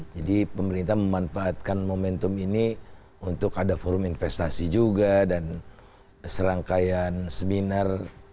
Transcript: jadi pemerintah memanfaatkan momentum ini untuk ada forum investasi juga dan serangkaian seminar